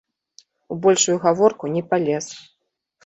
У большую гаворку не палез.